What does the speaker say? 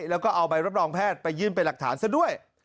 แล้วก็เอาใบรับรองแพทย์ไปยื่นเป็นหลักฐานซะด้วย